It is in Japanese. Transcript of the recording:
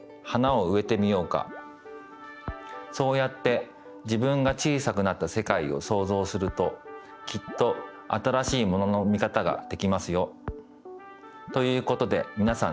そうやって自分が小さくなったせかいをそうぞうするときっと新しいものの見方ができますよ。ということでみなさん